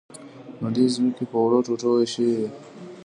نو دوی ځمکې په وړو ټوټو وویشلې.